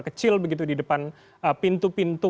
kecil begitu di depan pintu pintu